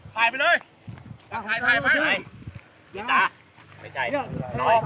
ถ่ายไปถ่ายไปเลย